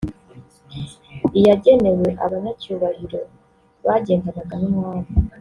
iyagenewe abanyacyubahiro bagendanaga n’umwami